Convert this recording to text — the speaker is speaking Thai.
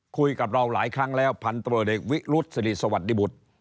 คุยกับเราหลายครั้งแล้วพันตรวจเอกวิรุษศิริสวัสดิบุตร